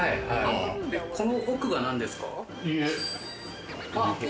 この奥が何ですか？